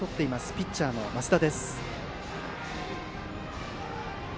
ピッチャーの升田。